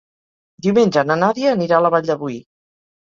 Diumenge na Nàdia anirà a la Vall de Boí.